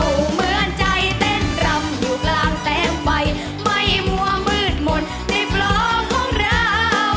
เหมือนใจเต้นรำอยู่กลางแตงไฟไม่มั่วมืดหมดในปลอของเรา